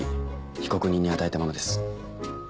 被告人に与えたものです。